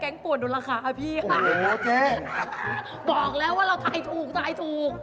แก๊งป่วนดวนราคาอาฮะพี่ค่ะบอกแล้วว่าเราทายถูก